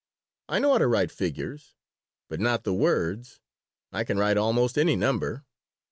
I know how to write the figures, but not the words. I can write almost any number.